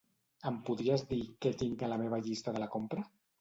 Em podries dir què tinc a la meva llista de la compra?